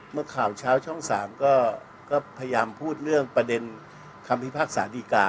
เมื่อข่าวเช้าช่อง๓ก็พยายามพูดเรื่องประเด็นคำพิพากษาดีกา